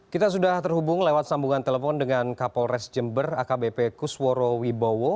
kita sudah terhubung lewat sambungan telepon dengan kapolres jember akbp kusworo wibowo